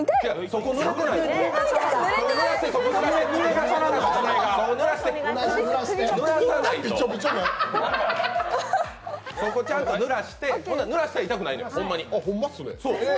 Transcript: そこちゃんとぬらして、ぬらしたら痛くないんよ。